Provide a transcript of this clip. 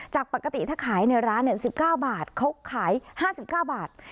จากปกติถ้าขายในร้าน๑๙บาทเขาขาย๕๙บาท